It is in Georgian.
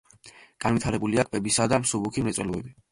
განვითარებულია კვებისა და მსუბუქი მრეწველობები.